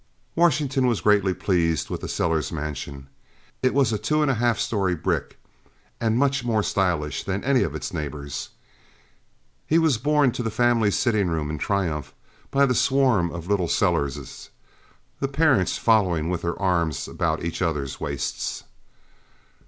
Washington was greatly pleased with the Sellers mansion. It was a two story and a half brick, and much more stylish than any of its neighbors. He was borne to the family sitting room in triumph by the swarm of little Sellerses, the parents following with their arms about each other's waists.